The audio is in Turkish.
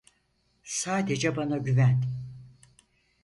Sadece bana güven.